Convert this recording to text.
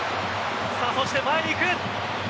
そして前に行く。